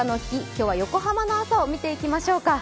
今日は横浜の朝を見ていきましょうか。